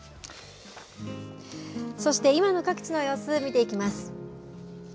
そして、今の各地の様子、見ていきます。